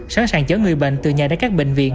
sẵn sàng chở người bệnh từ nhà đến các bệnh viện